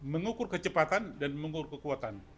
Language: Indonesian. mengukur kecepatan dan mengukur kekuatan